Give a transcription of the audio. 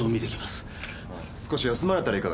少し休まれたらいかがですか？